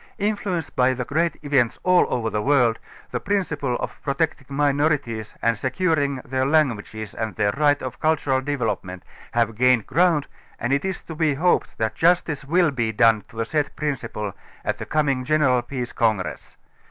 Influenced by the great events all over the world, the principle of protecting minorities and securing their languages and their right of cultural develope ment have gained ground and it is to be hoped that justice will be done to the said principle at the coming general peace congress.